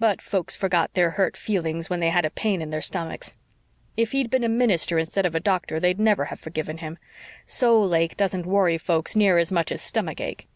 But folks forgot their hurt feelings when they had a pain in their stomachs. If he'd been a minister instead of a doctor they'd never have forgiven him. Soul ache doesn't worry folks near as much as stomach ache.